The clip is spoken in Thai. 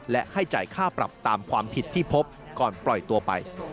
และให้จ่ายค่าปรับตามความผิดที่พบก่อนปล่อยตัวไป